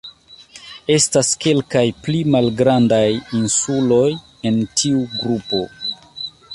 Estas kelkaj pli malgrandaj insuloj en tiu grupo.